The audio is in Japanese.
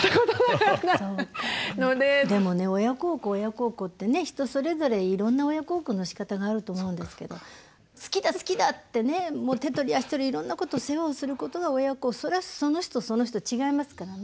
でもね親孝行親孝行ってね人それぞれいろんな親孝行のしかたがあると思うんですけど好きだ好きだって手取り足取りいろんなこと世話をすることが親それはその人その人違いますからね。